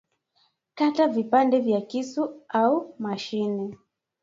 kata vipande kwa kisu au mashine